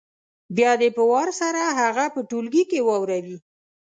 بیا دې په وار سره هغه په ټولګي کې واوروي